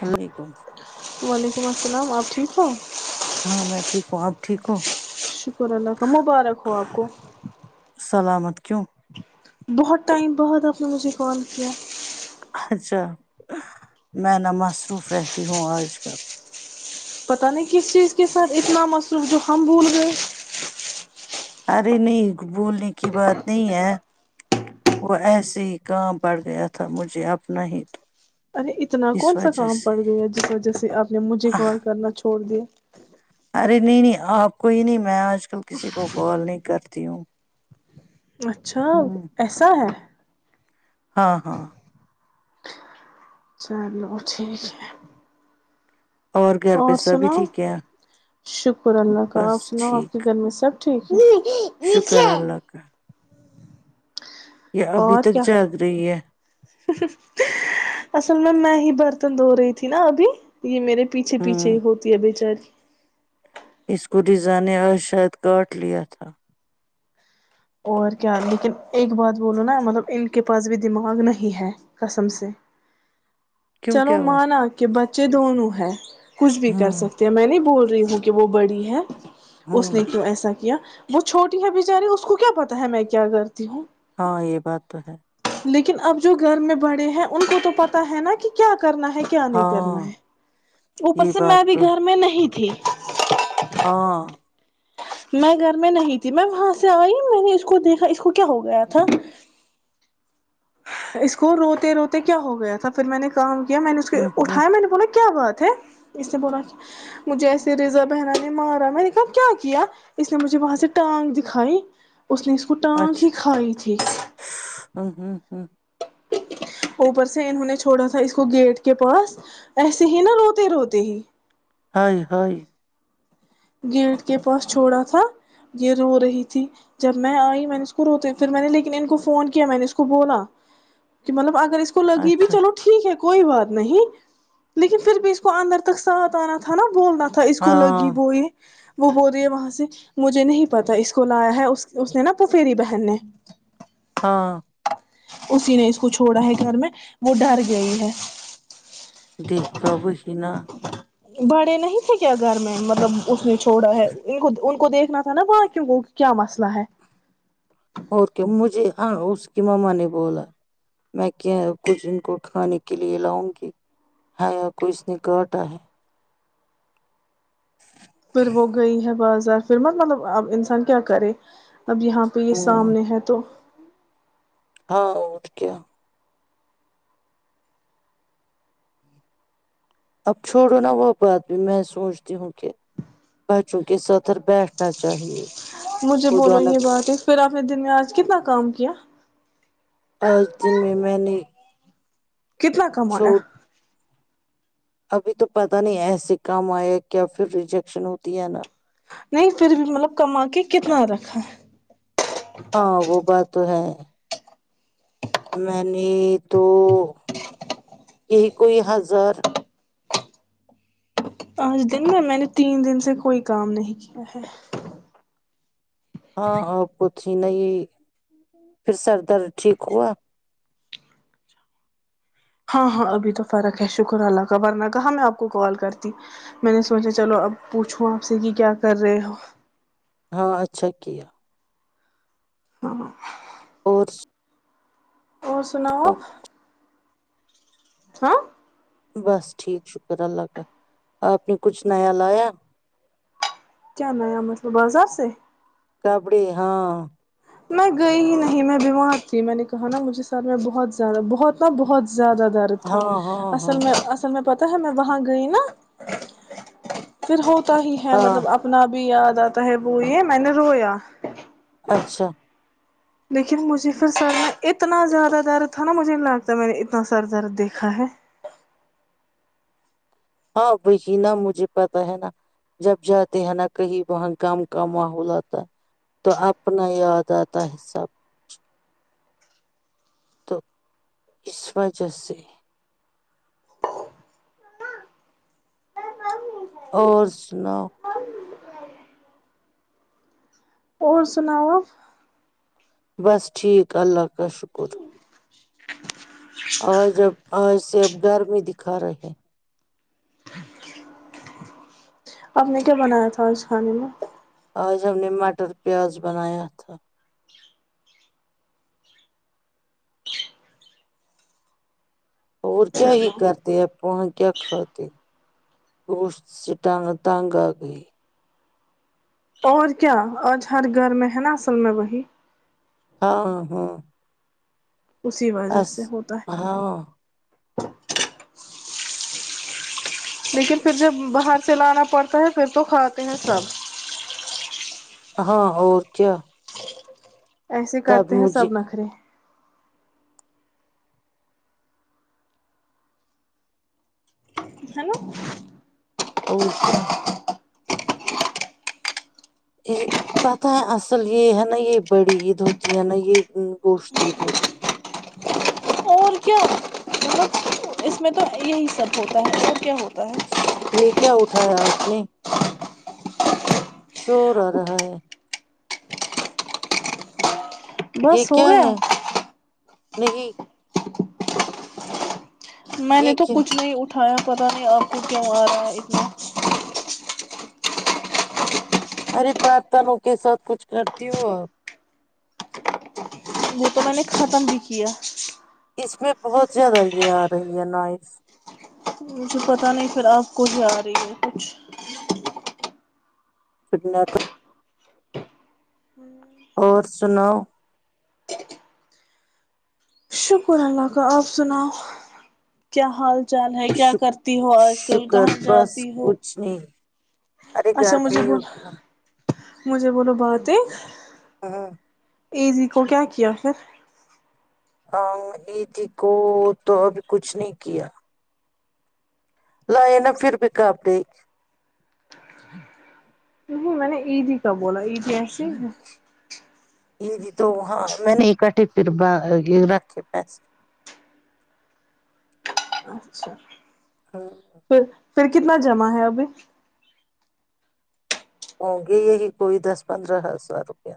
اللام علیکم م السلام آپ ٹھیک ہوو ہاں میں ٹھیک ہوں آپ ٹھیک ہوں شکر اللہ کب مبارک ہو آپ کو سلامت کیوں بہت ٹائم بہت آپ نے مجھے کال کیا اچھا میں نہ مصروف رہتی ہوں آج کل پتا نہیں کس چیز کے س اتنا مصروف جو ہم بھول گئے [inaudible] ارے نہیں بولنے کی بات نہیں ہے وہ ایسے ہی کام پڑ گیا تھا مجھے اپنا ہی تو ارے اتنا کون اس سا وجہ کام سے پڑ گیا جس وجہ سے آپ نے مجھے کال کرنا چھوڑ دیا ارے نہیں نہیں آپ کوئی نہیں میں آج کل کسی کو کال نہیں کرتی ہوں اچھا ہوں ایسا ہے ہاں ہاں چلو ٹھیک ہے گھر پہ اور سبھی سنا ٹھیک ہے شکر اللہ کا بس آپ سنا آپ کے ٹھیک گھر میں سب ٹھیک نہیں شکر اللہ کا یہ ابھی اور تک کیا جاگ رہی ہے اصل میں میں ہی برتن دھو رہی تھی نا ابھی یہ میرے پیچھے ہوں پیچے ہوتی ہے بیےچار اس کو رزا نے آج شاید کاٹ لیا تھا اور کیا لیکن ایک بات بولو نا مطلب ان کے پاس بھی دماغ نہیں ہے قسم سے کیوں چلو کیا ہوا مانا کے بچ ج دونونوں ہیں کچھ بھی کر ہوں سکتے ہیں میں نہیں بول ہوں کہ وہ بڑی ہے اس ہوں نے کیوں ایسا کیا وہ چھوٹی ہے ب بیچاری اس کو کیا پتا ہے میں کیا کرتی ہوں ہاں یہ بات تو ہے لیکن اب جو گھر میں بڑے ہیں ان کو تو پتاہ ہے نا کہ کیا کرنا ہے کیا نہیں کرنا ہاں ہے اوپر یہ سے بات میں بھی تو گھر میں نہیں پھی ہاں میں گھر میں نہیں تھی میں وہاں سے آئی میں نے اس کو دیکھا اس کو کیا ہو گیا تھا اس کو روتے روتے کیا ہو گیا تھا پھر میں نے کہا کیا میں نے اس کے ہوں ہوں اٹھایا میں نے بولا کیا بات ہے اس نے بولا کیا مجھے ایسے رزا بحر نے مارا میں نے کہا کیا کیا اس نے مجھے وہاں سے ٹانگ دکھائی اس نے اس کو ٹانگ ہی اچھا کھائی تھی ہوں ہوں ہوں اوپر سے انہوں نے چھوڑا تھا اس کو گیٹ کے پاس ایسے ہی نا روتے روتے ہی ہ ہ [unintelligible] گیٹ کے پاس چھوڑا تھا یہ رو رہی تھی جب میں آئی میں نے اس کو روتے پھر میں نے لیکن ان کو فون کیا میں نے اس کو بولا کہ مطلب ا اس کو لگی بھی اچھا چلو ٹھیک ہے کوئی بات نہیں لیکن پھر بھی اس کو اندر تک ساتھ آنا تھا نا بولنا تھا اس کو لگی ہاں وہو یہ وہ ب رہی ہے وہاں سے مجھے نہیں پتا اس کو لایا ہے اس نے نا پفیری بہن نے ہاں اسی نے اس کو چھوڑا ہے گھر میں وہ ڈر گئی ہے دیکھا وہ ہی نا بڑے نہیں تھے کیا گھر میں مطلب اس نے چھوڑا ہے ان کو ان کو دیکھنا تھا نا وہاں کیوں کو کیا مسئلہ ہے اور کیا مجھے اس کی ماما نے بولا میں کیا کچھ ان کو کھانے کے لیے لاؤں گی ہ کو اس نے کاٹا ہے پھر وہ گئی ہے بازار فھر مت مطلبب انسان کیا کرے اب یہاں پہ یہ ہوں سامنے ہے تو ہاں وہٹ کیا اب چھوڑو نا وہ بات بھی میں سوچتی ہوں کہ بچوں کے ستر بیٹھنا چاہیے مجھے خدا بولو نہ یہ بات ہے پھر آپ دن میں آج کتنا کام کیا آج دن میں میں نے کتنا کم آیا چھوڑ ابھی تو پتہ نہیں ایسے کام آیا کیا پھر ریجیکشن ہوتی ہے نا نہیں پھر بھی مطلب کما کے کتنا رکھا ہاں وہ بات تو ہے میں نے تو یہ کوئی ہضر آج دن میں میں نے تین دن سے کوئی کام نہیں کیا ہے ہاں آ پ تھی نہیں پھر سر درد ٹھیک ہوا ہاں ہاں ابھی تو فرق ہے شکر اللہ کا ورنہ کہااں میں آپ کو کال کرتی میں نے سوچا چلو اب پوچھوں آپ سے کہ کیا کر رہے ہو ہاں اچھا کیا ہاں اور اور سناؤ آپ ہاں [inaudible] بس ٹھیک شکر اللہ کا آپ نے کچھ نیا لایا کیا نیا مطلب بازار سے کپڑی ہاں میں گئی ہی نہیں میں بیمار تھی میں نے کہا نا مجھے ساتھ میں بہت زیادہ بہت ن بہت زیادہ درد تھا ہاں ہاں اصل ہاں میں اصل میں پتاہ میں وہاں گئی نا پھر ہو [inaudible] تا ہی ہے ہاں مطلب اپنا بھی یاد [inaudible] تو ہے بوئی ہے میں نے رویا [inaudible] اچھا [inaudible] لیکن مجھے پھر سر میں اتنا زیادہ درد تھا نا مجھے نہیں لگتا میں نے اتنا سارا درد دیکھا ہے ہاں بہ نا مجھے پتا ہے نا جب جاتے ہیں نا کہیں وہاں م کا ماحول آتا ہے تو اپنا یاد آتا ہے سب کچھ تو اس وجہ سے [inaudible] اور سناو اور سناؤ بس ٹھیک اللہ حفظ کا شکر [inaudible] اور جب اور سب گر میں دکھا رہے ہیں [inaudible] آپ نے کیا بنایا تھا آج کھانے میں آج ہم نے مٹر پیاز بناایا تھا اور کیا ہی چلو کرتے آ وہاں کیا کھاتے گوشت سےٹانگ ٹانگ آ گئی اور کیا آج ہر گھر میں ہے نا اصل میں وہی ہاں ہاں ہاں اسی وجہ اس سے ہوتا ہے ہاں [inaudible] لیکن پھر جب باہر چلانا پڑتا ہے پھر تو کھاتے ہیں سب ہاں اور کیا ایسے تب کرتے ہیں سب مجھے نخرے ہے نا اور کیا یہ پتہ ہے اصل یہ ہے نا یہ بڑی عید ہوتی ہے نا یہ گوشت عید ہوتی ہے اور کیا ہی سب ہوتا ہے سب کیا ہوتا ہے یہ [inaudible] کیا اٹھایا آپ نے [inaudible] شو رہا اٹھ رہا ہے بس یہ ہو کیا گیا ہے نہیں [inaudible] میں نے یہ تو کچھ کیا نہیں اٹھا ہاں پتہ نہیں آپ کو کیوں آ رہا ہے اتنا ارے برتنوں کے ساتھ کچھ کرتی ہو آپ وہ تو میں نے نے ختم بھی کیا اس میں بہت زیادہ یہ آ رہی ہے نوائس مجھے پتہ نہیں پھر آپ کو ہی آ رہی ہے کچھ سنا کا اور سناؤ شکر اللہ کا آپ سناؤ کیا حال چال ہے کیا ش کرتی ہو آج کل شکر کہاں بس جاتی ہو کچھ نہیں ارے اچھا گھر پہ مجھے ہی بلا ہوتی ہوں مجھے بولو بات ایک ہاں ہاں ایزی کو کیا کیا پھر ہاں ایزی کو تو اب کچھ نہیں کیا لائے نا پھر بھی کپڑے نہیں میں نے عیدی کا بولا عیدی جی ہمم یہ جی تو ہاں میں نے اکٹھی پھر یہ رکھے پیسے اچھا ہاں پھر پھر کتنا جمع ہے ابھی ہوں گے یہی کوئی دس پندرہ ہزار روپیہ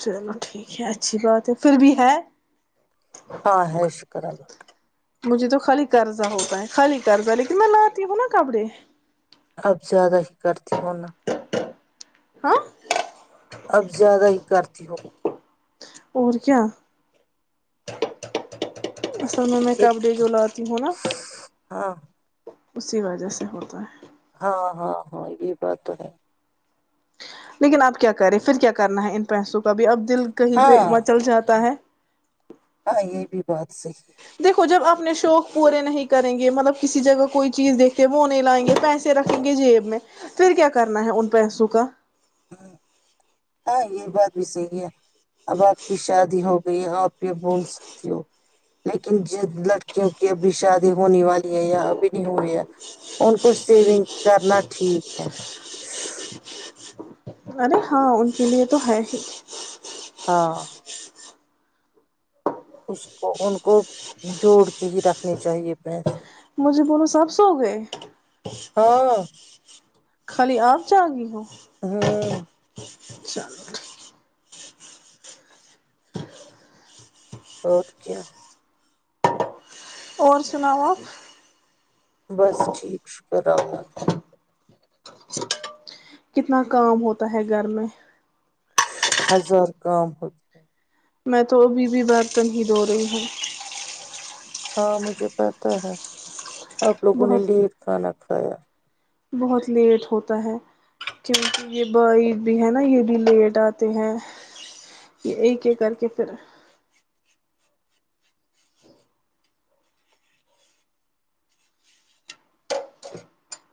چلو ٹھیک ہے اچھی بات ہے پھر بھی ہے ہاں ہے شکر اللہ کا مجھے تو خالی قرضہ ہوتا ہے خالی قرضہ لیکن میں لاتی ہوں نا کپڑے اب زیادہ ہی کرتی ہوناا ہاں اب زیادہ ہی کرتی ہو اور کیا اصل میں میں ایک- کپ دے جو لاتی ہوں نا ہاں اسی وجہ سے ہوتا ہے ہاں ہاں ہاں یہ بات تو ہے لیکن اب کیا کریں پھر کیا کرنا ہے ان پیسوں کا ابھی اب دل کہیں پہ ہاں مچل جاتا ہے ہاں یہ بھی بات صحیح ہے دیکھو جب اپنے شوق پورے نہیں کریں گے مطلب کسی جگہ کوئی چیز دیکھتے وہ نہیں لائیں گے پیسے رکھیں گے جیب میں پھر کیا کرنا ہے ان پیسوں کا ہممم ہاں یہ بات بھی صحیح ہے اب آپ کی شادی ہو گئی ہے آپ یہ بول سکتی ہو لیکن جن لڑکیوں کی اب بھی شادی ہونے والی یا ابھی نہیں ہو رہ ہے [unintelligible] ان کو سیونگ کرنا ٹھیک ہے ارے ہاں ان کے لیے تو ہے ہی ہاں اس کو ان کو جوڑ کے ہی رکھنی چاہیے پیسے مجھے بولو سب سو ہو گئے ہاں [unintelligible] خالی آپ جا گی ہو ہاں [unintelligible] چلو ٹھیک [unintelligible] اورٹ کیا [unintelligible] اور سناؤ آپ [unintelligible] بس ٹھیک شکر اللہ [unintelligible] کتنا کام ہوتا ہے گھر میں ہزار کام ہوتے ہیں میں تو ابھی بھی برتن ہی دھو رہی ہوں ہاں مجھے پت ہے آپ لوگوں نے بہت لیے تھاان تھا ہاں [unintelligible] بہت لیٹ ہوتا ہے کیونکہ یہ ب بھی ہے نا یہ بھی لیٹ آتے ہیں یہ ایک ایک کر کے پھر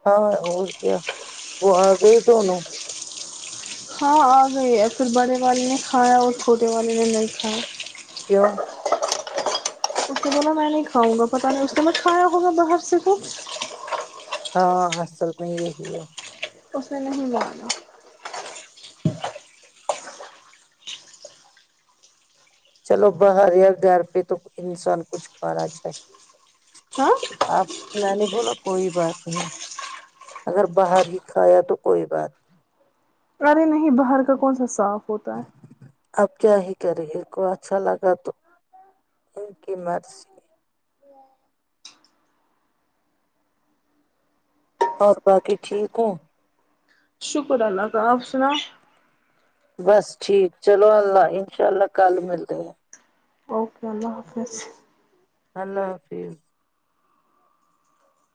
ہاں اور کیا وہ آ گئی دونوں ہاں آ گئی ہے پھر بڑے والے نے کھایا اور چھوٹے والے نے نہیں کھایا کیوں اس کے د میں میں نہیں کھاؤ گا پتا نہیں اس کو مت کھایا ہوگا باہر سے کو ہاں اصل میں یہی ہے [unintelligible] اسے نہیں جا چلو باہر یا گھر پہ تو انسان کچھ کھانا چاہیے ہاں آپ میں نے بولا [unintelligible] کوئی بات نہیں اگر باہر ہی کھایا تو کوئی بات نہیں ارے نہیں باہر کا کون سا صاف کتا [unintelligible] اب کیا ہی کریں ان کو اچھا لگا تو ان کی مرضی [unintelligible] اور باقی ٹھیک ہوں شکر اللہ تال آپ سنا بس ٹھیک چلو اللہ انشاء اللہ کل ملتےئے ہیں اوکے اللہ حافظ [unintelligible] اللہ حافظ